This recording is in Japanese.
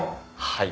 はい。